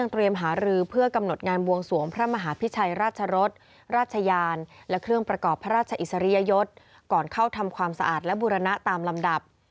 ทำความสะอาดและบูรณะตามลำดับ